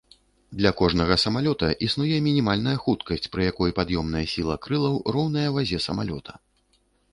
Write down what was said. Для кожнага самалёта існуе мінімальная хуткасць, пры якой пад'ёмная сіла крылаў роўная вазе самалёта.